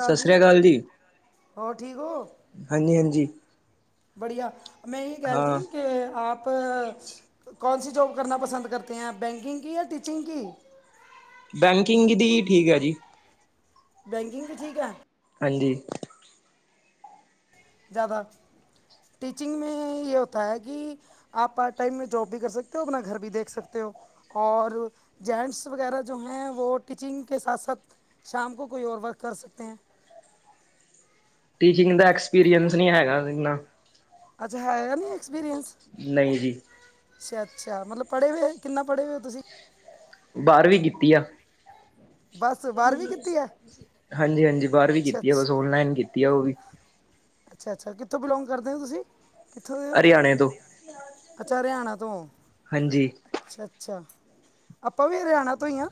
ਸਤਿ ਸ੍ਰੀ ਅਕਾਲ ਜੀ, ਹੋਰ ਹਾਂਜੀ, ਹਾਂਜੀ। ਬੜੀਆ, ਮੈਂ ਇਹੀ ਹਾਂ ਕਹਿਲਤੀ ਕਿ ਆਪ ਆਪ ਕੌਣ ਸੀ ਜੋਬ ਕਰਨਾ ਪਸੰਦ ਕਰਤੇ ਹੈ। ਬੈਂਕਿੰਗ ਕੀ ਜਾਂ ਟੀਚਿੰਗ ਕੀ। ਬੈਂਕਿੰਗ ਦੀ ਠੀਕ ਹੈ ਜੀ। ਬੈਂਕਿੰਗ ਵੀ ਠੀਕ ਹੈ। ਹਾਂਜੀ। ਜ਼ਿਆਦਾ ਟੀਚਿੰਗ ਮੇ ਇਹ ਹੋਤਾ ਹੈ ਕਿ ਆਪ ਪਾਰਟ ਟਾਈਮ ਮੇ ਜੋਬ ਭੀ ਕਰ ਸਕਦੇ ਹੋ। ਆਪਣਾ ਘਰ ਵੀ ਦੇਖ ਸਕਦੇ ਹੋ। ਔਰ ਜੈਂਟਸ ਵਗੈਰਾ ਜੋ ਹੈ ਵੋ ਟੀਚਿੰਗ ਕੇ ਸਾਥ, ਸਾਥ- ਸ਼ਾਮ ਕੋ ਕੋਈ ਔਰ ਵਰਕ ਕਰ ਸਕਤੇ ਹੈ। ਟੀਚਿੰਗ ਦਾ ਐਕਸਪੀਰੀਅੰਸ ਨਹੀਂ ਹੈਗਾ ਏਨਾ। ਅੱਛਾ, ਹੈਗਾ ਨੀ ਐਕਸਪੀਰੀਅੰਸ। ਨਹੀਂ ਜੀ। ਅੱਛਾ, ਅੱਛਾ ਮਤਲਬ ਪੜ੍ਹੇ ਹੋਏ, ਕਿੰਨਾ ਪੜ੍ਹੇ ਹੋਏ ਤੁਸੀਂ। ਬਾਂਰਵੀ ਕੀਤੀ ਆ। ਬਸ ਕੀਤੀ ਹੈ ਹਾਂਜੀ, ਹਾਂਜੀ ਬਾਂਰਵੀ ਅੱਛਾ ਕੀਤੀ ਆ। ਅੱਛਾ ਬਸ ਓਨਲਾਈਨ ਕੀਤੀ ਆ ਉਹ ਵੀ। ਅੱਛਾ ਅੱਛਾ, ਕਿੱਥੋਂ ਬਿਲੋਂਗ ਕਰਦੇ ਹੋ ਤੁਸੀਂ? ਕਿੱਥੋਂ ਦੇ ਹੋ? ਹਰਿਆਣੇ ਤੋਂ। ਅੱਛਾ ਹਰਿਆਣਾ ਤੋਂ। ਹਾਂਜੀ। ਅੱਛਾ ਅੱਛਾ, ਆਪਾਂ ਵੀ ਹਰਿਆਣਾ ਤੋਂ ਹੀ ਹਾਂ।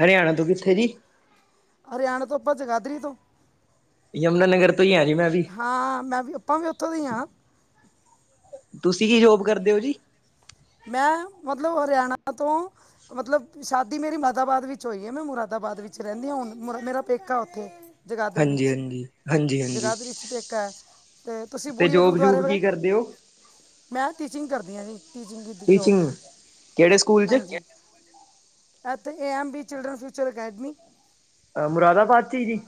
ਹਰਿਆਣਾ ਤੋਂ ਕਿੱਥੇ ਜੀ? ਹਰਿਆਣੇ ਤੋਂ, ਆਪਾਂ ਜਗਾਧਰੀ ਤੋਂ। ਯਮੁਨਾ ਨਗਰ ਤੋਂ ਹੀ ਹੈ ਜੀ ਮੈਂ ਵੀ। ਹਾਂ, ਮੈਂ ਵੀ ਆਪਾਂ ਵੀ ਉੱਥੋਂ ਦੇ ਹੀ ਹਾਂ। ਤੁਸੀਂ ਕੀ ਜੋਬ ਕਰਦੇ ਹੋ ਜੀ? ਮੈਂ ਮਤਲਬ ਹਰਿਆਣਾ ਤੋਂ। ਮਤਲਬ ਸ਼ਾਦੀ ਮੇਰੀ ਮੁਰਾਦਾਬਾਦ ਵਿੱਚ ਹੋਈ ਹੈ, ਮੈਂ ਮੁਰਾਦਾਬਾਦ ਵਿੱਚ ਰਹਿੰਦੀ ਹਾਂ ਹੁਣ ਮੇਰਾ ਪੇਕਾ ਉੱਥੇ। ਜਗਾਦਰੀ ਹਾਂਜੀ ਵਿੱਚ, ਹਾਂਜੀ ਹਾਂਜੀ ਹਾਂਜੀ। ਜਗਾਦਰੀ ਵਿੱਚ ਪੇਕਾ। ਤੇ ਤੁਸੀਂ ਬੁੜੀਂਆ ਜੋਬ ਗੁਰਦੁਆਰੇ ਜੂਬ ਵਾਲਾ। ਕੀ ਕਰਦੇ ਹੋ? ਮੈਂ ਟੀਚਿੰਗ ਕਰਦੀ ਹਾਂ ਜੀ, ਟੀਚਿੰਗ ਵਿੱਦ ਜੋਬ ਟੀਚਿੰਗ। ਕਿਹੜੇ ਸਕੂਲ 'ਚ ਹਾਂਜੀ। ਇਥੇ A M B children future academy. Moradabad 'ਚ ਹੀ ਜੀ।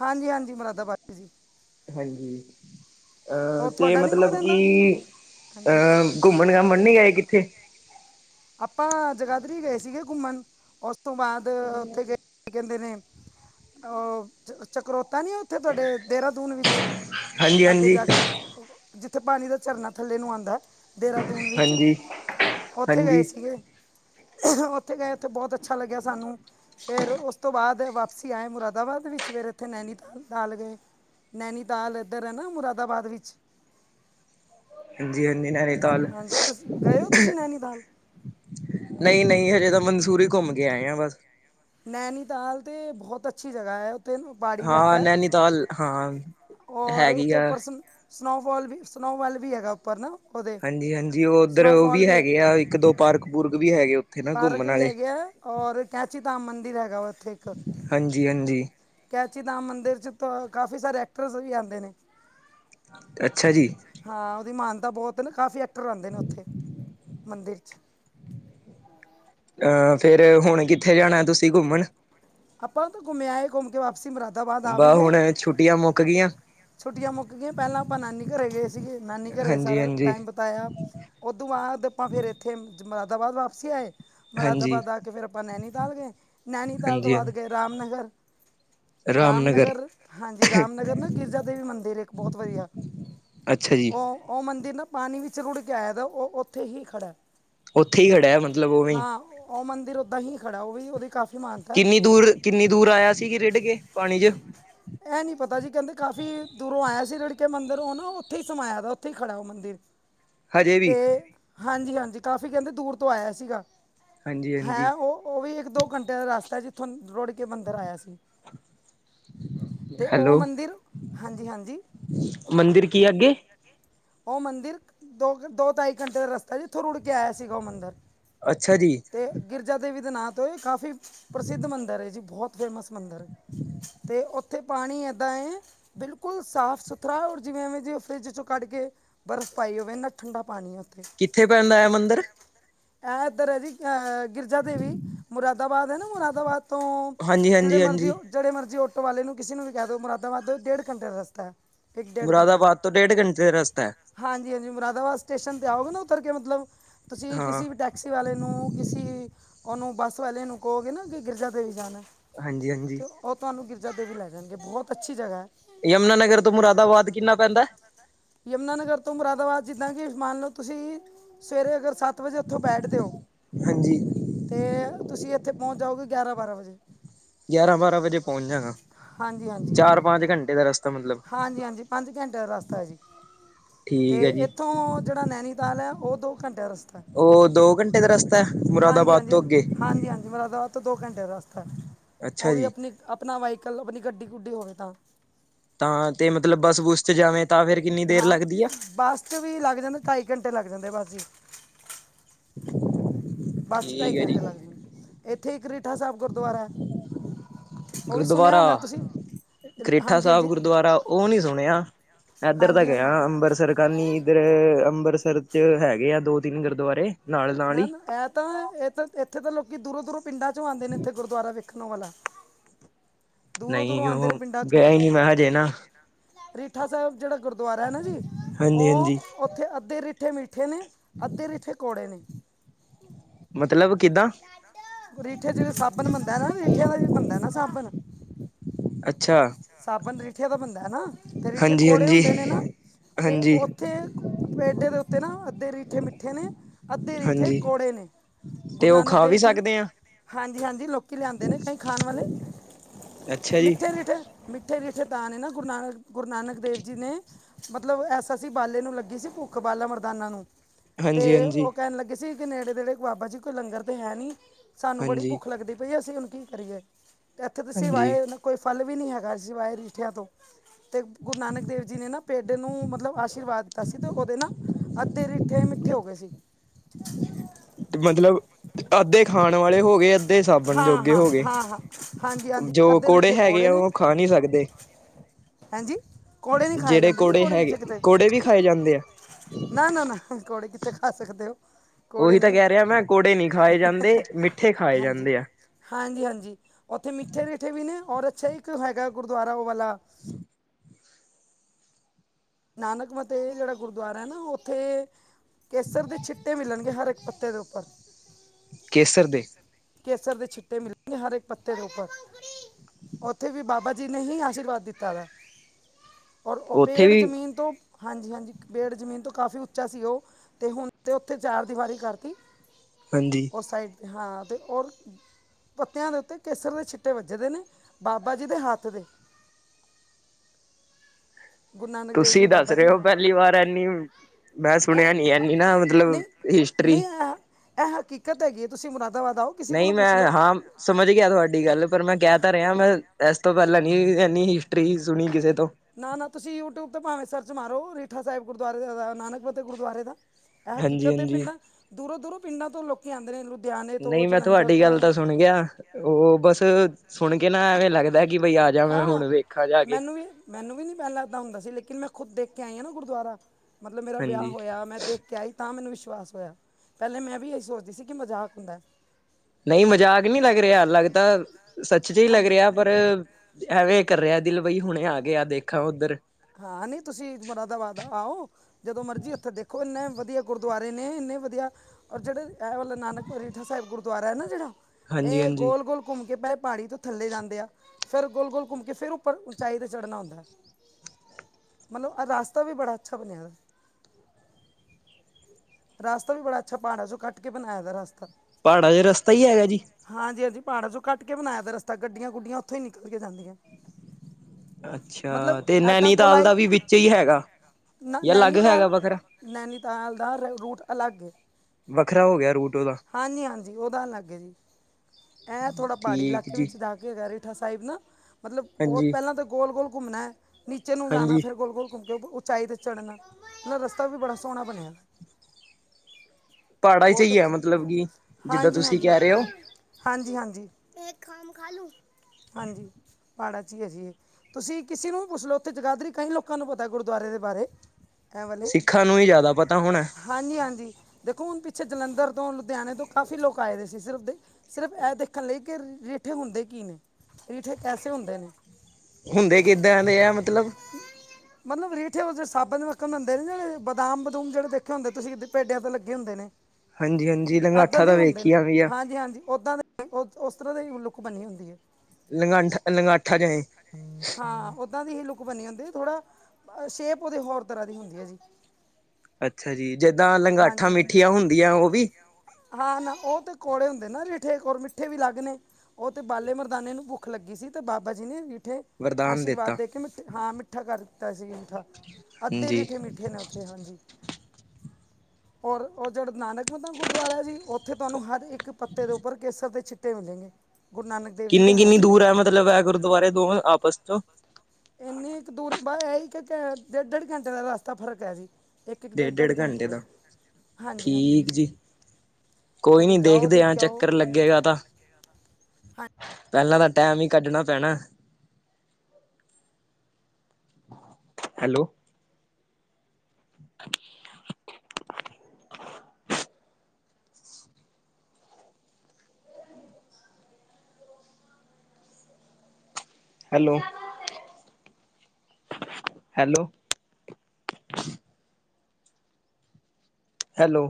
ਹਾਂਜੀ ਹਾਂਜੀ ਮੁਰਾਦਾਬਾਦ ਜੀ। ਹਾਂਜੀ, ਅਹ ਹੋਰ ਤੇ ਤੁਹਾਡਾ ਨਹੀਂ ਕੋਈ ਮਤਲਬ ਕਿ ਰਹਿੰਦਾ ਹਾਂਜੀ ਅਹ। ਘੁੰਮਣ ਘਮਣ ਨੀ ਗਏ ਕਿੱਥੇ? ਆਪਾਂ ਜਗਾਧਰੀ ਗਏ ਸੀਗੇ ਘੁੰਮਣ, ਉਸ ਤੋਂ ਬਾਅਦ ਉੱਥੇ ਗਏ ਕੀ ਕਹਿੰਦੇ ਨੇ। ਉਹ ਚਕਰੋਤਾ ਨੀ ਆ ਉੱਥੇ ਤੁਹਾਡੇ, ਦੇਹਰਾਦੂਨ ਵਿੱਚ। ਹਾਂਜੀ ਅੱਗੇ ਹਾਂਜੀ ਜਾ ਕੇ, ਜਿੱਥੇ ਪਾਣੀ ਦਾ ਝਰਨਾ ਥੱਲੇ ਨੂੰ ਆਉਂਦਾ ਹੈ, ਦੇਹਰਾਦੂਨ ਵਿੱਚ। ਹਾਂਜੀ ਹਾਂਜੀ ਉੱਥੇ ਗਏ ਹਾਂਜੀ ਸੀਗੇ, ਉੱਥੇ ਗਏ ਉੱਥੇ ਬਹੁਤ ਅੱਛਾ ਲੱਗਿਆ ਸਾਨੂੰ। ਫੇਰ, ਉਸ ਤੋਂ ਬਾਅਦ ਵਾਪਸੀ ਆਏ ਮੁਰਾਦਾਬਾਦ ਵਿੱਚ ਫਿਰ ਇੱਥੇ ਨੈਨੀਤਾਲ ਗਏ। ਨੈਨੀਤਾਲ ਇੱਧਰ ਹੈ ਨਾ, ਮੁਰਾਦਾਬਾਦ ਵਿੱਚ। ਹਾਂਜੀ ਹਾਂਜੀ ਨੈਨੀਤਾਲ। ਹਾਂਜੀ ਤੁਸੀਂ ਗਏ ਹੋ ਤੁਸੀਂ ਨੈਨੀਤਾਲ ਨਹੀਂ ਨਹੀਂ ਹਜੇ ਤਾਂ ਮਨਸੂਰੀ ਘੁੰਮ ਕੇ ਆਏ ਆ ਬਸ। ਨੈਨੀਤਾਲ ਤੇ ਬਹੁਤ ਅੱਛੀ ਜਗ੍ਹਾ ਹੈ ਉੱਥੇ। ਪਹਾੜੀ ਹਾਂ ਇਲਾਕਾ ਹੈ, ਨੈਨੀਤਾਲ ਹਾਂ ਔਰ ਹੈਗੀ ਉੱਥੇ ਆ ਉਪਰ। ਸਨੋਫ਼ਾਲ ਵੀ ਸਨੋਫਾਲ ਵੀ ਹੈਗਾ ਉੱਪਰ ਨਾ। ਉਹਦੇ ਹਾਂਜੀ ਹਾਂਜੀ ਉਹ ਉੱਧਰ ਉਹ ਸਨੋਫਾਲ ਵੀ ਹੈ ਹੈਗੇ ਆ, ਇੱਕ ਦੋ ਪਾਰਕ ਪੂਰਕ ਵੀ ਹੈਗੇ ਉਪਰ। ਪਾਰਕ ਵੀ ਹੈਗੇ ਆ ਔਰ ਕੈਚੀ ਧਾਮ ਮੰਦਿਰ ਹੈਗਾ ਵਾ ਇੱਥੇ ਇੱਕ। ਹਾਂਜੀ ਹਾਂਜੀ। ਕੈਚੀ ਧਾਮ ਮੰਦਿਰ 'ਚ ਤਾਂ ਕਾਫੀ ਸਾਰੇ ਐਕਟਰਸ ਵੀ ਆਉਂਦੇ ਨੇ। ਅੱਛਾ ਜੀ। ਹਾਂ, ਉਹਦੀ ਮਾਨਤਾ ਬਹੁਤ ਨਾ, ਕਾਫੀ ਐਕਟਰ ਆਉਂਦੇ ਨੇ ਉੱਥੇ ਮੰਦਿਰ 'ਚ। ਅਹ, ਫੇਰ ਹੁਣ ਕਿੱਥੇ ਜਾਣਾ ਤੁਸੀਂ ਘੁੰਮਣ? ਆਪਾਂ ਤਾਂ ਘੁੰਮ ਆਏ, ਘੁੰਮ ਕੇ ਵਾਪਸੀ ਮੁਰਾਦਾਬਾਦ ਆ ਬ ਵੀ ਗਏ। ਹੁਣ ਛੁੱਟੀਆਂ ਮੁੱਕ ਗਈਆਂ? ਛੁੱਟੀਆਂ ਮੁੱਕ ਗਈਆਂ, ਪਹਿਲਾਂ ਆਪਾਂ ਨਾਨੀ ਘਰੇ ਗਏ ਸੀਗੇ, ਨਾਨੀ ਘਰੇ ਹਾਂਜੀ ਸਾਰਾ ਹਾਂਜੀ ਟਾਈਮ ਬਿਤਾਇਆ। ਉਹ ਤੋਂ ਬਾਅਦ ਆਪਾਂ ਫਿਰ ਇੱਥੇ ਮੁਰਾਦਾਬਾਦ ਵਾਪਸੀ ਆਏ। ਹਾਂਜੀ ਮਰਾਦਾਬਾਦ ਆ ਕੇ ਫਿਰ ਆਪਾਂ ਨੈਨੀਤਾਲ ਗਏ, ਨੈਨੀਤਾਲ ਤੋਂ ਹਾਂਜੀ ਬਾਅਦ ਹਾਂਜੀ ਗਏ ਰਾਮਨਗਰ। ਰਾਮਨਗਰ ਹਾਂਜੀ, ਰਾਮਨਗਰ ਨਾ ਗਿਸ। ਦੇਵੀ ਮੰਦਿਰ ਇੱਕ ਬਹੁਤ ਵਧੀਆ, ਅੱਛਾ ਜੀ ਉਹ, ਉਹ ਮੰਦਿਰ ਨਾ। ਪਾਣੀ ਵਿੱਚ ਰੁੜ ਕੇ ਆਇਆ ਦਾ ਉਹ ਉੱਥੇ ਹੀ ਖੜ੍ਹਾ। ਉੱਥੇ ਹੀ ਖੜਿਆ, ਮਤਲਬ ਉਵੇਂ? ਉਹ ਮੰਦਿਰ ਓਦਾਂ ਹੀ ਖੜਾ ਉਹ ਵੀ ਉਹਦੀ ਕਾਫ਼ੀ ਮਾਨਤਾ। ਹੈ। ਕਿੰਨੀ ਦੂਰ, ਕਿੰਨੀ ਦੂਰ ਆਇਆ ਸੀ ਕਿ ਰਿਡ ਕੇ ਪਾਣੀ ਚ? ਇਹ ਨਹੀਂ ਪਤਾ ਜੀ ਕਹਿੰਦੇ ਕਾਫੀ ਦੂਰੋਂ ਆਇਆ ਸੀ, ਰਿੜਕੇ ਮੰਦਰ ਉਹ ਨਾ ਉੱਥੇ ਹੀ ਸਮਾਇਆ ਦਾ ਉੱਥੇ ਹੀ ਖੜ੍ਹਾ ਉਹ ਮੰਦਿਰ। ਹਜੇ [inaudible] ਵੀ ਤੇ ਹਾਂਜੀ, ਹਾਂਜੀ ਕਾਫ਼ੀ ਕਹਿੰਦੇ ਦੂਰ ਤੋਂ ਆਇਆ ਸੀਗਾ। ਹਾਂਜੀ ਹਾਂਜੀ ਹੈ ਉਹ। ਉਹ ਵੀ ਇੱਕ- ਦੋ ਘੰਟੇ ਦਾ ਰਸਤਾ ਜਿੱਥੋਂ ਰੁੜ ਕੇ ਮੰਦਿਰ ਆਇਆ ਸੀ। ਤੇ ਉਹ ਹੈਲੋ ਮੰਦਿਰ ਹਾਂਜੀ, ਹਾਂਜੀ ਮੰਦਿਰ ਕੀ ਅੱਗੇ ਉਹ ਮੰਦਿਰ ਦੋ ਤਾਈ ਘੰਟੇ ਦਾ ਰਸਤਾ ਨੀ ਇੱਥੋਂ ਰੁੜ ਕੇ ਆਇਆ ਸੀਗਾ ਉਹ ਮੰਦਿਰ। ਅੱਛਾ ਜੀ। ਤੇ ਗਿਰਜਾ ਦੇਵੀ ਦੇ ਨਾਂ ਤੇ ਕਾਫੀ ਪ੍ਰਸਿੱਧ ਮੰਦਿਰ ਐ ਜੀ। ਬਹੁਤ ਫੇਮਸ ਮੰਦਰ ਐ, ਤੇ ਉੱਥੇ ਪਾਣੀ ਇਦਾਂ ਐ ਬਿਲਕੁਲ ਸਾਫ- ਸੁਥਰਾ ਔਰ ਜਿਵੇਂ, ਇਵੇ ਜ ਫਰਿਜ ਚੋਂ ਕੱਢ ਕੇ ਬਰਫ ਪਾਈ ਹੋਵੇ ਨਾ ਠੰਡਾ ਪਾਣੀ ਉਥੇ ਕਿੱਥੇ ਪੈਂਦਾ ਐ ਮੰਦਰ ਐਗਰੀਕਲਚਰਲ ਐ ਜੀ ਅ ਗਿਰਜਾ ਦੇਵੀ ਮੁਰਾਦਾਬਾਦ ਐ ਨਾ ਮੁਰਾਦਾਬਾਦ। ਤੋ ਹਾਂਜੀ ਜਿਹੜੇ ਹਾਂਜੀ ਮਰਜ਼ੀ, ਹਾਂਜੀ ਜਿਹੜੇ ਮਰਜ਼ੀ ਔਟੋ ਵਾਲੇ ਨੂੰ ਕਿਸੇ ਨੂੰ ਵੀ ਕਹਿ ਦਓ, ਮੁਰਾਦਾਬਾਦ ਡੇਢ ਘੰਟੇ ਦਾ ਰਸਤਾ ਐ ਇੱਕ -ਡੇਢ ਘੰਟੇ ਦਾ। ਮੁਰਾਦਾਬਾਦ ਤੋਂ ਡੇਢ ਘੰਟੇ ਦਾ ਰਸਤਾ ਹੈ ਹਾਂਜੀ, ਹਾਂਜੀ ਮਰਾਦਾਵਾਂਦ ਸਟੇਸ਼ਨ ਤੇ ਆਓਗੇ ਨਾ ਉਤਰ ਕੇ ਮਤਲਬ ਤੁਸੀਂ ਹਾਂ ਕਿਸੇ ਕਿਸੇ ਟੈਕਸੀ ਵਾਲੇ ਨੂੰ, ਕਿਸੀ ਉਹਨੂੰ ਬੱਸ ਵਾਲੇ ਨੂੰ ਕਹੋਗੇ ਨਾ ਗਿਰਜਾ ਦੇਈ ਜਾਣਾ। ਹਾਂਜੀ, ਹਾਂਜੀ ਤੇ ਉਹ ਤਾਨੂੰ ਗਿਰਜਾ ਦੇਵੀ ਲੈ ਜਾਣਗੇ, ਬਹੁਤ ਅੱਛੀ ਜਗਹਾ ਯਮੁਨਾ ਨਗਰ ਤੋਂ ਮੁਰਾਦਾਬਾਦ ਕਿਨਾ ਪੈਂਦਾ। ਯਮੁਨਾ ਨਗਰ ਤੋਂ ਮੁਰਾਦਾਬਾਦ ਜਿੱਦਾਂ ਕਿ ਮਨ ਲੋ ਤੁਸੀਂ ਸਵੇਰੇ ਅਗਰ ਸਤ ਵਜੇ ਤਥੋ ਬੈਠਦੇ ਔ ਹਾਂਜੀ ਤੇ ਤੁਸੀਂ ਇਥੇ ਪਹੁੰਚ ਜਾਓਗੇ ਗਿਆਰਾ-ਬਾਰਾ ਵਜੇ। ਗਿਆਰਾਂ -ਬਾਰਾਂ ਵਜੇ ਪਹੁੰਚ ਜਾਗਾ। ਹਾਂਜੀ, ਹਾਂਜੀ, ਚਾਰ ਪੰਜ ਘੰਟੇ ਦਾ ਰਸਤਾ ਮਤਲਬ ਹਾਂਜੀ, ਹਾਂਜੀ ਪੰਜ ਘੰਟੇ ਦਾ ਰਸਤਾ ਐ ਜੀ। ਤੇ ਠੀਕ ਹੈ ਜੀ ਇਥੋਂ ਜਿਹੜਾ ਨੈਨੀਤਾਲ ਐ ਉਹ ਦੋ ਘੰਟੇ ਦਾ ਰਸਤਾ। ਉਹ ਦੋ ਘੰਟੇ ਦਾ ਰਸਤਾ ਹਾਂਜੀ ਮੁਰਾਦਾਬਾਦ ਹਾਂਜੀ ਤੋਂ ਅੱਗੇ। ਹਾਂਜੀ, ਹਾਂਜੀ ਮੁਰਾਦਾਬਾਦ ਤੋਂ ਦੋ ਘੰਟੇ ਦਾ ਰਸਤਾ ਉਹ ਅੱਛਾ ਵੀ ਜੀ ਆਪਣੀ ਆਪਣਾ ਵਹੀਕਲ, ਆਪਣੀ ਗੱਡੀ- ਗੁੱਡੀ ਹੋਵੇ ਤਾਂ ਤਾਂ ਤੇ ਮਤਲਬ ਬੱਸ ਬੁਸ ਚ ਜਾਵੇਂ ਤਾਂ ਫੇਰ ਕਿੰਨੀ ਦੇਰ ਹਾਂ ਲੱਗਦੀ ਆ ਬਸ ਵੀ ਲੱਗ ਜਾਦੇ, ਢਾਈ ਘੰਟੇ ਲੱਗ ਜਾਂਦੇ ਬਸ ਜੀ। ਬਸ ਚ ਢਾਈ ਠੀਕ ਹੈ ਜੀ ਘੰਟੇ ਲੱਗ ਜਾਦੇ, ਇੱਥੇ ਇਕ ਰੀਠਾ ਸਾਹਿਬ ਗੁਰਦੁਆਰਾ ਉਹ ਵੀ ਸੁਣਿਆ ਹੋਣਾ ਗੁਰਦੁਆਰਾ ਤੁਸੀਂ ਰੀ- ਕਰੀਠਾ ਹਾਂਜੀ ਸਾਹਿਬ ਹਾਂਜੀ ਗੁਰਦੁਆਰਾ ਉਹ ਨਹੀਂ ਸੁਣਿਆ, ਇਧਰ ਤਾਂ ਹਾਂਜੀ ਗਿਆ ਹਾਂਜੀ ਅੰਬਰਸਰ ਕਰੀਦਰ ਅੰਮ੍ਰਿਤਸਰ ਚ ਹੈਗੇ ਆ ਦੋ ਤਿੰਨ ਗੁਰਦੁਆਰੇ ਨਾਲ ਨਾਲ ਨਾ ਹੀ ਇਹ ਤਾਂ ਇਹ ਤਾਂ ਇਥੇ ਤਾਂ ਲੋਕੀ ਦੂਰੋਂ- ਦੂਰੋਂ ਪਿੰਡਾਂ ਚੋਂ ਆਉਂਦੇ ਨੇ ਇੱਥੇ ਗੁਰਦੁਆਰਾ ਦੇਖਣ ਵਾਲਾ। ਦੂਰੋਂ ਦੂਰੋਂ ਨਹੀਂ ਆਉਂਦੇ ਉਹ ਨੇ ਪਿੰਡਾਂ ਚੋਂ ਗਏ ਨੀ ਮੈਂ ਹਜੇ ਨਾ। ਰੀਠਾ ਸੇਅਬ ਜਿਹੜਾ ਗੁਰਦੁਆਰਾ ਹੈਨਾ ਜੀ ਓ ਹਾਂਜੀ ਹਾਂਜੀ ਉੱਥੇ ਅੱਧੇ ਰੀ ਠੇ ਮਿੱਠੇ ਨੇ ਅੱਧੇ ਰੀਠੇ ਕੌੜੇ ਨੇ। ਮਤਲਬ ਕਿੱਦਾਂ ਰੀਠੇ ਜੇੜੇ ਸਾਬਣ ਬਣਦੈ ਨਾ ਰੀਠਿਆਂ ਦਾ ਵੀ ਬਣਦੈ ਨੇ ਸਾਬਣ। ਅੱਛਾ ਸਾਬਨ ਰਿਠਿਆ ਦਾ ਬਣਦੈ ਨਾ ਤੇ ਰੀਠੇ ਹਾਂਜੀ ਕੋੜੇ ਹਾਂਜੀ ਹੁੰਦੇ ਨੇ ਨਾ 'ਤੇ ਹਾਂਜੀ ਉ ਥੇ ਪੈਡੇ ਦੇ ਉੱਤੇ ਨਾ ਅੱਧੇ ਰੀਠੇ ਮਿੱਠੇ ਨੇ ਅੱਧੇ ਰੀਠੇ ਹਾਂਜੀ ਕੋੜੇ ਨੇ। ਗੁਰੂ ਤੇ ਉਹ ਨਾਨਕ ਖਾ ਦੇਵ ਵੀ ਜੀ, ਸਕਦੇ ਆ ਹਾਂਜੀ-ਹਾਂਜੀ ਲੋਕੀ ਲਿਆਂਦੇ ਨੇ ਕਈ ਖਾਣ ਵਾਲੇ। ਅੱਛਾ ਜੀ। ਮਿੱਠੇ ਮਿੱਠੇ ਰੀਠੇ ਤਾਂ ਨੇ ਨਾ ਗੁਰੂ ਨਾਨਕ, ਗੁਰੂ ਨਾਨਕ ਦੇਵ ਜੀ ਨੇ ਮਤਲਬ ਐਸ ਐਸ ਸੀ ਬਾਲੇ ਨੂੰ ਲੱਗੀ ਸੀ ਭੁੱਖ ਬਾਲਾ ਮਰਦਾਨਾ ਨੂੰ ਹਾਂਜੀ 'ਤੇ ਹਾਂਜੀ ਓ ਕਹਿਣ ਲੱਗੇ ਸੀ ਕਿ ਨੇੜੇ ਦੇੜੇ ਬਾਬਾ ਜੀ ਕੋਈ ਲੰਗਰ 'ਤੇ ਹੈ ਨੀ ਸਾਨੂੰ ਬੜੀ ਹਾਂਜੀ ਭੁੱਖ ਲੱਗਦੀ ਪਈ ਅਸੀਂ ਹੁਣ ਕੀ ਕਰੀਏ? 'ਤੇ ਐਥੇ ਤੁਸੀਂ ਹਾਂਜੀ ਵਾਏ ਨਾ ਕੋਈ ਫਲ ਵੀ ਨੀ ਹੈਗਾ ਸਿਵਾਏ ਰੀਠਿਆਂ ਤੋਂ 'ਤੇ ਗੁਰੂ ਨਾਨਕ ਦੇਵ ਜੀ ਨੇ ਨਾ ਪੈਂਡੇ ਨੂੰ ਮਤਲਬ ਆਸ਼ੀਰਵਾਦ ਦਿੱਤਾ ਸੀ 'ਤੇ ਉਦੇ ਨਾ ਅੱਧੇ ਰੀਠੇ ਮਿੱਠੇ ਹੋਗੇ ਸੀ। ਮਤਲਬ ਅੱਧੇ ਖਾਣ ਵਾਲੇ ਹੋਗੇ ਅੱ ਧੇ ਸਾਬਣ ਹਾਂ ਜੋਗੇ ਹਾਂ ਹੋਗੇ, ਹਾਂ ਹਾਂ ਹਾਂਜੀ ਹਾਂਜੀ ਜੋ ਅੱਧੇ ਕੋੜੇ ਰਿੱਠੇ ਹੈਗੇ ਆ ਨੇ ਓ ਖਾ ਨੀ ਸਕਦੇ। ਹਾਂਜੀ ਕੋੜੇ ਨਹੀਂ ਖਾਏ ਜਿਹੜੇ ਜਾਂਦੇ ਕੋੜੇ ਹੈਗੇ ਕੋੜੇ ਵੀ ਖਾਏ ਜਾਂਦੇ ਐ। ਨਾ-ਨਾ-ਨਾ ਕੋੜੇ ਕਿੱਥੇ ਖਾ ਸਕਦੇ ਓ। ਉਹੀ ਤਾਂ ਕਹਿ ਰਿਹਾ ਮੈਂ ਕੋੜੇ ਨੀ ਖਾਏ ਜਾਂਦੇ, ਮਿੱਠੇ ਖਾਏ ਜਾਂਦੇ ਆ। ਹਾਂਜੀ-ਹਾਂਜੀ ਉੱਥੇ ਮਿੱਠੇ ਰੀਠੇ ਵੀ ਨੇ ਔਰ ਅੱਛਾ ਇੱਕ ਹੈਗਾ ਗੁਰਦੁਆਰਾ ਓ ਵਾਲਾ [inaudible] ਨਾਨਕ ਮਤੇ ਜਿਹੜਾ ਗੁਰਦੁਆਰਾ ਐ ਨਾ ਉੱਥੇ ਕੇਸਰ ਦੇ ਛਿੱਟੇ ਮਿਲਣ ਹਰ ਇੱਕ ਪੱਤੇ ਦੇ ਉੱਪਰ। ਕੇਸਰ ਦੇ। ਕੇਸਰ ਦੇ ਛਿੱਟੇ ਮਿਲਣਗੇ ਹਰ ਇਕ ਪੱਤੇ ਦੇ ਉੱਪਰ। ਉੱਥੇ ਵੀ ਬਾਬਾ ਜੀ ਨੇ ਹੀ ਆਸ਼ੀਰਵਾਦ ਦਿੱਤਾ ਵਾ, ਔਰ ਓ ਉੱਥੇ ਪੇੜ ਵੀ ਜ਼ਮੀਨ ਤੋਂ ਹਾਂਜੀ-ਹਾਂਜੀ ਪੇੜ ਜ਼ਮੀਨ ਤੋਂ ਕਾਫ਼ੀ ਉੱਚਾ ਸੀ ਓ 'ਤੇ ਹੁਣ 'ਤੇ ਉੱਥੇ ਚਾਰ ਦੀਵਾਰੀ ਕਰਤੀ। ਹਾਂਜੀ। ਉਸ ਸਾਈਡ 'ਤੇ ਹਾਂ 'ਤੇ ਔਰ ਪੱਤਿਆਂ ਦੇ ਉੱਤੇ ਕੇਸਰ ਦੇ ਛਿੱਟੇ ਵੱਜਦੇ ਨੇ ਬਾਬਾ ਜੀ ਦੇ ਹੱਥ ਦੇ। ਗੁਰੂ ਨਾਨਕ ਦੇਵ ਤੁਸੀਂ ਜੀ ਦੱਸ ਬਾਬਾ ਰੇ ਜੀ ਓ ਪਹਿਲੀ ਵਾਰ ਐਨੀ ਮੈਂ ਹੈਂ? ਸੁਣਿਆ ਨੀ ਐਨੀ ਨਾ ਮਤਲਬ ਹਿਸਟਰੀ। ਐ ਹਕੀਕਤ ਹੈਗੀ ਏ ਤੁਸੀਂ ਮੁਰਾਦਾਬਾਦ ਆਓ। ਕਿਸੇ ਨਈ ਕੋਲੋਂ ਪੁੱਛ ਮੈਂ ਲਓ ਹਾਂ ਸਮਝ ਗਿਆ ਤੁਹਾਡੀ ਗੱਲ ਪਰ ਮੈਂ ਕਹਿ ਤਾਂ ਰੇਆ ਮੈਂ ਐਸ ਤੋਂ ਪਹਿਲਾਂ ਨੀ ਐਨੀ ਹਿਸਟਰੀ ਸੁਣੀ ਕਿਸੇ ਤੋਂ। ਨਾ-ਨਾ ਤੁਸੀਂ ਯੂਟਿਊਬ 'ਤੇ ਭਾਵੇ ਸਰਚ ਮਾਰੋ ਰੀਠਾ ਸੇਅਬ ਗੁਰਦੁਆਰੇ ਉਦਾ ਨਾਨਕ 'ਤੇ ਗੁਰਦੁਆਰੇ ਦਾ ਐ ਹਾਂਜੀ ਹਕੀਕਤ ਏ ਹਾਂਜੀ ਪਿੰਡਾਂ ਦੂਰੋਂ-ਦੂਰੋਂ ਪਿੰਡਾਂ ਤੋਂ ਲੋ ਕੀ ਆਂਦੇ ਨੇ ਲੁਧਿਆਣੇ ਤੋਂ, ਨਹੀਂ ਜਲੰਧਰ ਤੋਂ। ਮੈਂ ਕੇਆ ਓ ਬੱਸ ਸੁਣ ਕੇ ਨਾ ਐਵੇਂ ਲੱਗਦਾ ਕਿ ਬਈ ਆ ਜਾ ਮੈਂ ਹਾਂ ਹੁਣ ਵੇਖਾਂ ਜਾ ਕੇ। ਮੈਨੂੰ ਵੀ ਮੈਨੂੰ ਵੀ ਨੀ ਪਹਿਲਾ ਐਦਾਂ ਹੁੰਦਾ ਸੀ ਲੇਕਿਨ ਮੈਂ ਖੁਦ ਦੇ ਕੇ ਆਈ ਆ ਨਾ ਗੁਰਦੁਆਰਾ। ਮਤਲਬ ਮੇਰਾ ਵਿਆਹ ਹਾਂਜੀ ਹੋਇਆ ਮੈਂ ਦੇ ਕੇ ਆਈ ਤਾਂ ਮੈਨੂੰ ਵਿਸ਼ਵਾਸ ਹੋਇਆ ਪਹਿਲੇ ਮੈਂ ਵੀ ਏ ਸੋਚਦੀ ਸੀ ਕਿ ਮਜ਼ਾਕ ਹੁੰਦਾ ਐ। ਨਈ ਮਜ਼ਾਕ ਨੀ ਲੱਗ ਰੇਆ ਲੱਗਦਾ ਸੱਚ ਜੇਈ ਲੱਗ ਹਾਂਜੀ ਰੇਆ ਪਰ ਐਵੇਂ ਕਰ ਰੇਆ ਦਿਲ ਬਈ ਹੁਣੇ ਆ ਗਿਆ ਦੇਖਾ ਉੱਧਰ। ਹਾਂ ਨਈ ਤੁਸੀਂ ਮੁਰਾਦਾਬਾਦ ਆਓ। ਜਦੋਂ ਮਰਜੀ ਉੱਥੇ ਦੇਖੋ ਇੰਨੇ ਵਧੀਆ ਗੁਰਦੁਆਰੇ ਨੇ ਇੰਨੇ ਵਧੀਆ। ਔਰ ਜਿਹੜੇ ਇਹ ਨਾਨਕ ਰੀਠਾ ਸਾਹਿਬ ਗੁਰਦੁਆਰਾ ਹੈ ਨਾ ਜਿਹੜਾ। ਹਾਂਜੀ ਇਹ ਹਾਂਜੀ ਗੋਲ- ਗੋਲ ਘੁੰਮ ਕੇ ਪਲੇ ਪਹਾੜੀ ਤੇ, ਥੱਲੇ ਜਾਂਦੇ ਆ, ਫੇਰ ਗੋਲ ਗੋਲ ਘੁੰਮ ਕੇ ਫੇਰ ਉੱਪਰ ਉਚਾਈ 'ਤੇ ਚੜਨਾ ਹੁੰਦਾ ਐ। ਮਤਲਬ ਰਾਸਤਾ ਵੀ ਬੜਾ ਅੱਛਾ ਬਣਿਆ ਹੋਇਆ। ਰਾਸਤਾ ਵੀ ਬੜਾ ਅੱਛਾ ਪਹਾੜਾ ਚੋ ਕੱਟ ਕੇ ਬਣਾਇਆ ਦਾ ਰਸਤਾ। ਪਹਾੜਾਂ ਦੇ ਰਸਤਾ ਹੀ ਹੈਗਾ ਜੀ। ਹਾਂਜੀ- ਹਾਂਜੀ ਪਹਾੜਾਂ ਚੋਂ ਕੱਟ ਕੇ ਬਣਾਇਆ ਦਾ ਰਸਤਾ ਗੱਡੀਆਂ- ਗੁੱਡੀਆਂ ਉੱਥੋਂ ਹੀ ਨਿਕਲ ਕੇ ਜਾਂਦੀਆਂ। ਮਤਲਬ ਅੱਛਾ ਤੇ ਏਦਾਂ ਨੈਨੀਤਾਲ ਗੋਲਾਈ, ਦਾ ਵੀ ਵਿੱਚ ਹੀ ਹੈਗਾ ਨਾ ਜਾਂ ਅਲੱਗ ਨੈਨੀ ਹੈਗਾ ਤਾਲ। ਵੱਖਰਾ ਨੈਨੀਤਾਲ ਦਾ ਰੂਟ ਅਲੱਗ ਐ। ਵੱਖਰਾ ਹੋ ਗਿਆ ਰੂਟ ਉਹਦਾ ਹਾਂਜੀ- ਹਾਂਜੀ ਉਹਦਾ ਅਲੱਗ ਐ ਜੀ। ਐਂ ਥੋੜਾ ਪਹਾੜੀ ਠੀਕ ਇਲਾਕੇ ਜੀ ਵਿੱਚ ਜਾ। ਹੈਗਾ ਰੀਠਾ ਸਾਹਿਬ ਨਾ ਮਤਲਬ ਬੋਤ ਹਾਂਜੀ ਪਹਿਲਾਂ ਤਾਂ ਗੋਲ- ਗੋਲ ਘੁੰਮਣਾ ਐ, ਨੀਚੇ ਨੂੰ ਜਾਣਾ ਹਾਂਜੀ ਫੇਰ ਗੋਲ- ਗੋਲ ਘੁੰਮ ਕੇ ਉਚਾਈ 'ਤੇ ਚੜਨਾ ਮਦਾ ਰਸਤਾ ਵੀ ਬੜਾ ਸੋਹਣਾ ਬਣਿਆ। ਪਹਾੜਾਂ ਚ ਬੋਤ ਅ ਹੀ ਹੈ ਮਤਲਬ ਕਿ ਜਿੱਦਾਂ ਹਾਂਜੀ- ਤੁਸੀਂ ਹਾਂਜੀ। ਕਹਿ ਰਹੇ ਹੋ ਹਾਂਜੀ- ਹਾਂਜੀ, ਹਾਂਜੀ। ਪੜਾਂ ਚ ਹੈ ਗੀ ਐ ਤੁਸੀਂ ਕਿਸੇ ਨੂੰ ਵੀ ਪੁੱਛ ਲੋੋ ਉੱਥੇ ਜਗਾਦਰੀ ਕਈ ਲੋਕਾਂ ਨੂੰ ਪਤਾ ਗੁਰਦੁਆਰੇ ਦੇ ਬਾਰੇ। ਐ ਵਾਲੇ ਸਿੱਖਾਂ ਨੂੰ ਹੀ ਜਾ਼ਦਾ ਪਤਾ ਹੋਣਾ। ਹਾਂਜੀ- ਹਾਂਜੀ ਦੇਖੋ ਹੁਣ ਪਿੱਛੇ ਜਲੰਧਰ ਤੋਂ ਲੁਧਿਆਣੇ ਤੋਂ ਕਾਫੀ ਲੋਕ ਆਏ ਦੇ ਸੀ ਸਿਰਫ ਦੇ, ਸਿਰਫ ਇਹ ਦੇਖਣ ਲਈ ਕਿ ਰੀਠੇ ਹੁੰਦੇ ਕੀ ਨੇ, ਰੀਠੇ ਕੈਸੇ ਹੁੰਦੇ ਨੇ। ਹੁੰਦੇ ਕਿੱਦਾਂ ਨੇ ਐ ਮਤਲਬ, ਹੂੰ। ਮਤਲਬ ਰੇਠੇ ਸਾਬਣ ਵਕਣ ਹੁੰਦੇ ਨੇ ਜਿੜੇ ਬਦਾਮ ਬਦੂਮ ਜਿਹੜੇ ਦੇਖੇ ਹੁੰਦੇ ਤੁਸੀਂ ਪੇਡਿਆਂ ਤੋਂ ਲੱਗੇ ਹੁੰਦੇ ਨੇ। ਹਾਂਜੀ ਹਾਂਜੀ ਏਦਾਂ ਲੰਗਾਠਾ ਦੇ ਤਾਂ ਹੀ ਹੁੰਦੇ ਨੇ ਵੇਖੀ ਆ ਵੀ ਆ ਹਾਂਜੀ- ਹਾਂਜੀ। ਓਦਾਂ ਦੇ ਉਸ ਤਰਾਂ ਦੀ ਲੁੱਕ ਬੰਨੀ ਹੁੰਦੀ ਐ। ਲੰਗਾਠਾ- ਲੰਗਾਠਾ ਜਾਏ। ਹਾਂ ਓਦਾਂ ਦੀ ਹੀ ਲੁੱਕ ਬਣੀ ਹੁੰਦੀ ਥੋੜਾ, ਸ਼ੇਪ ਉਹਦੇ ਹੋਰ ਤਰਾਂ ਦੀ ਹੁੰਦੀ ਐ ਜੀ। ਅੱਛਾ ਜੀ ਜਿੱਦਾਂ ਲੰਗਾਠਾਂ ਹਾਂਜੀ ਹਾਂਜੀ। ਮਿੱਠੀਆਂ ਹੁੰਦੀਆਂ ਉਹ ਵੀ। ਹਾਂ ਨਾ ਉਹ ਤੇ ਕੋੜੇ ਹੁੰਦੇ ਨਾ ਰੇੇ- ਔਰ ਮਿੱਠੇ ਵੀ ਲੱਗ ਨੇ ਉਹ ਤੇ ਬਾਲੇ ਮਰਦਾਨੇ ਨੂੰ ਭੁੱਖ ਲੱਗੀ ਸੀ ਤੇ ਬਾਬਾ ਜੀ ਨੇ ਮਿੱਠੇ ਵਰਦਾਨ ਆਸ਼ੀਰਵਾਦ ਦਿੱਤਾ ਦੇ ਕੇ ਮਿੱਠ ਹਾਂ ਮਿੱਠਾ ਕਰ ਦਿੱਤਾ ਸੀ ਮਿੱਠਾ ਅੱਧੇ ਜੀ ਰੀਠੇ ਮਿਠ- ਠੇ ਨਾ ਉੱਥੇ ਹਾਂਜੀ। ਔਰ ਜਿਹੜ ਨਾਨਕਮਤਾ ਗੁਰਦੁਆਰਾ ਜੀ ਉੱਥੇ ਤੁਹਾਨੂੰ ਹਰ ਇੱਕ- ਪੱਤੇ ਦੇ ਉੱਪਰ ਕੇਸਰ ਦੇ ਛਿੱਟੇ ਮਿਲੇ ਗੇ ਗੁਰੂ ਨਾਨਕ ਦੇਵ ਜੀ ਦੇ ਕਿੰਨੀ- ਕਿੰਨੀ ਹੱਥ ਦੇ ਦੂਰ ਏ ਮਤਲਬ ਐ ਗੁਰਦੁਆਰੇ ਦੋਵੈ ਆਪਸ ਚੋ। ਇੰਨੀ ਇੱਕ ਦੂਰੀ ਵ ਇਹ ਹੀ ਕਿ ਡੇਢ ਡੇਢ ਘੰਟੇ ਦਾ ਰਸਤਾ ਫ਼ਰਕ ਹੈ ਜੀ। ਇੱਕ- ਇੱਕ ਡੇਢ- ਡੇਢ ਘੰਟੇ ਦਾ, ਹਾਂਜੀ- ਹਾਂਜੀ। ਠੀਕ ਜੀ ਕੋਈ ਕਦੀ ਨੀ ਜਾਓ ਦੇਖਦੇ ਆ ਦੇਖੇ ਆਓ। ਚੱਕਰ ਲੱਗੇਗਾ ਤਾਂ ਪਹਿਲਾਂ ਤਾਂ ਟੈਮ ਹੀ ਕੱਢਣਾ ਪੈਣਾ। Hello, [inaudible] hello, hello. ਹੈਲੋ।